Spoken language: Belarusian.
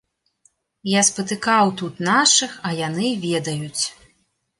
Я спатыкаў тут нашых, а яны ведаюць.